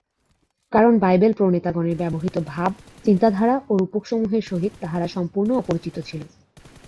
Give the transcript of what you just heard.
কারণ বাইবেল-প্রণেতাগণের ব্যবহৃত ভাব, চিন্তাধারা ও রূপকসমূহের সহিত তাহারা সম্পূর্ণ অপরিচিত ছিল।